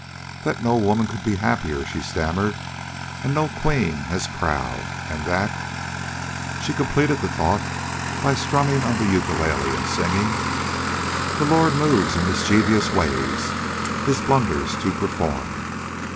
"That no woman could be happier," she stammered, "and no queen as proud. And that " She completed the thought by strumming on the ukulele and singing: "De Lawd move in er mischievous way His blunders to perform."